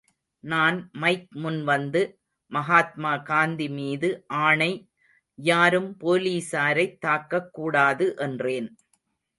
நான் மைக் முன்வந்து, மகாத்மா காந்தி மீது ஆணை, யாரும் போலீசாரைத் தாக்கக் கூடாது என்றேன்.